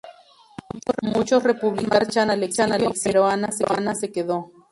Muchos republicanos marchan al exilio, pero Anna se quedó.